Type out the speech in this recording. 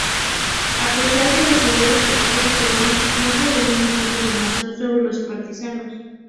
A pesar de la severa tortura, Petrović no reveló ninguna información sobre los Partisanos.